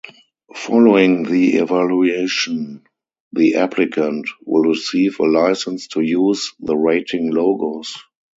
Following the evaluation the applicant will receive a license to use the rating logos.